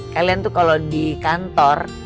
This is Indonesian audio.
kalian tuh kalau di kantor